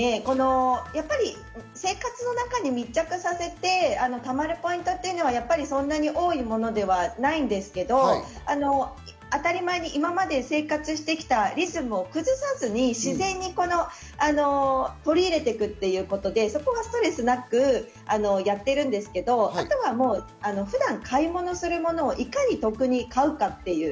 生活の中に密着させて貯まるポイントはそんなに多いものではないんですけれども、当たり前に今まで生活してきたリズムを崩さずに自然と取り入れていくということで、そこがストレスなくやっているんですけれど、あとは普段買い物するものをいかに得に買うかという。